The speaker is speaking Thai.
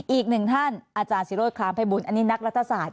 อีกหนึ่งท่านอาจารย์ศิโรธครามภัยบุญอันนี้นักรัฐศาสต